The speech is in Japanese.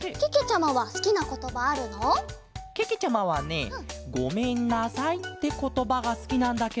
けけちゃまはね「ごめんなさい」ってことばがすきなんだケロ。